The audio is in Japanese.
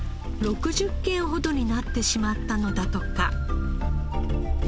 ６０軒ほどになってしまったのだとか。